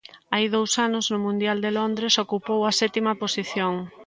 Hai dous anos, no Mundial de Londres, ocupou a sétima posición.